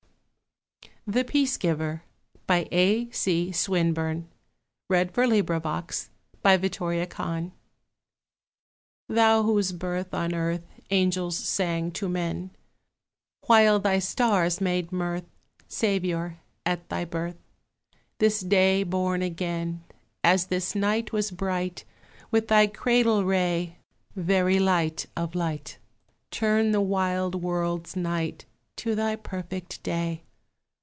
n. ROBERT HERRICK. handsel: a gift for good luck. THE PEACE GIVER Thou whose birth on earth Angels sang to men, While thy stars made mirth, Saviour, at thy birth. This day born again; As this night was bright With thy cradle ray, Very light of light, Turn the wild world's night To thy perfect day.